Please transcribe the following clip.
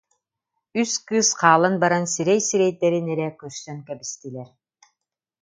Үс кыыс хаалан баран сирэй-сирэйдэрин эрэ көрсөн кэбистилэр